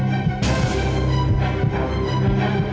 pasti dia keluar